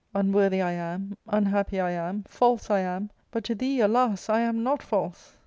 Unworthy I am, unhappy I am, false I am ; but to thee, alas ! I am not false.